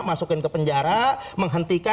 masukin ke penjara menghentikan